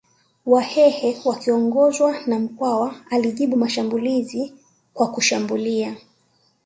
Wahehe wakiongozwa na Mkwawa alijibu mashambulizi kwa kushambulia